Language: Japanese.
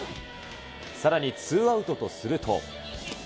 さらにツーアウトとすると。